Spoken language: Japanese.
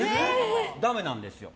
ダメなんですよ。